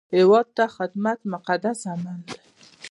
هیواد ته خدمت مقدس عمل دی